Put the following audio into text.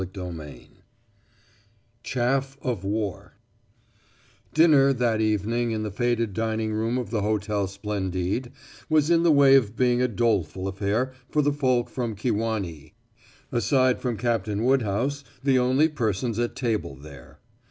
CHAPTER VIII CHAFF OF WAR Dinner that evening in the faded dining room of the Hotel Splendide was in the way of being a doleful affair for the folk from Kewanee, aside from Captain Woodhouse, the only persons at table there.